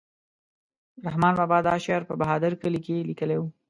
رحمان بابا دا شعر په بهادر کلي کې لیکلی و.